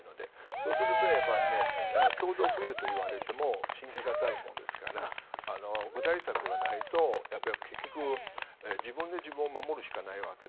そうすると共同富裕といわれても信じがたいものですから具体策がないと結局、自分で自分を守るしかないわけ。